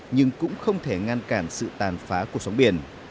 nhưng cũng không thể ngăn cản sự tàn phá cuộc sống biển